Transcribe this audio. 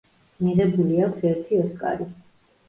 მიღებული აქვს ერთი ოსკარი.